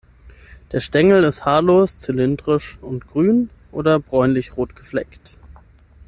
Der Stängel ist haarlos, zylindrisch und grün oder bräunlich-rot gefleckt.